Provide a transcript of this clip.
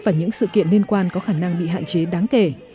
và những sự kiện liên quan có khả năng bị hạn chế đáng kể